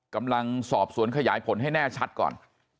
กำลังสอบสวนขยายผลให้แน่ชัดก่อน